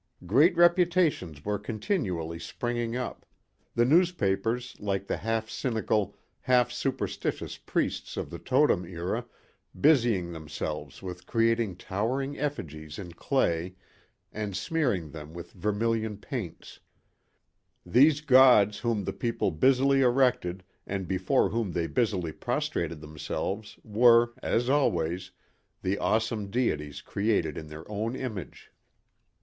Great reputations were continually springing up the newspapers like the half cynical, half superstitious priests of the totem era busying themselves with creating towering effigies in clay and smearing them with vermillion paints. These gods whom people busily erected and before whom they busily prostrated themselves were, as always, the awesome deities created in their own image.